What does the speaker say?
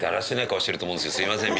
すいません